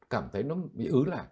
cảm thấy nó bị ứ là